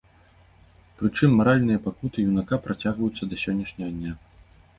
Прычым маральныя пакуты юнака працягваюцца да сённяшняга дня.